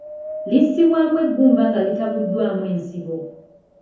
Lissibwamu ebbumba nga litabuddwamu ensibo .